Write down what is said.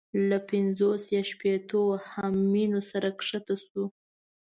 له پنځوس یا شپېتو همیونو سره کښته شو.